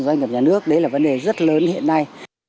doanh nghiệp nhà nước đấy là vấn đề rất lớn hiện nay